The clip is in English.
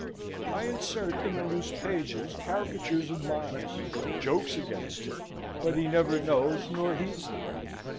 I insert in the loose pages caricatures of Miles: jokes against him: but he never knows nor heeds them.